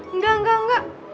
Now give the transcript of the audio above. enggak enggak enggak